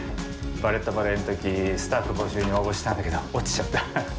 「バレット・バレエ」の時スタッフ募集に応募したんだけど落ちちゃった。